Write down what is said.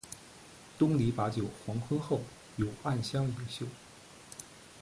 东篱把酒黄昏后，有暗香盈袖